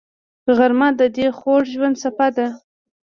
غرمه د دلي خوږ ژوند څپه ده